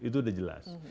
itu udah jelas